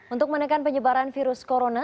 untuk menekan penyebaran virus corona